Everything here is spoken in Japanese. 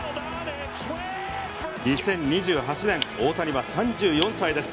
２０２８年大谷は３４歳です。